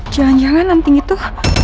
jangan jangan anting itu